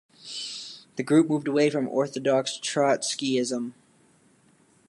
The group moved away from orthodox Trotskyism.